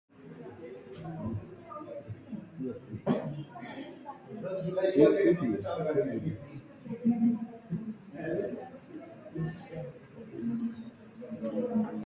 Primarily, the association sought any means that provided medical care for African Americans.